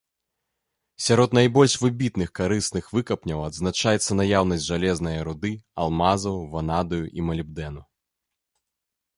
Сярод найбольш выбітных карысных выкапняў адзначаецца наяўнасць жалезнае руды, алмазаў, ванадыю і малібдэну.